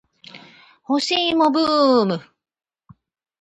干し芋ブーム